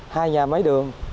hai nhà máy đường